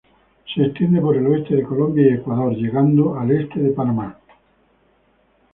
Se extiende por el oeste de Colombia y Ecuador, llegando al este de Panamá.